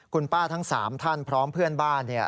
คุณป้าทั้ง๓ท่านพร้อมเพื่อนบ้าน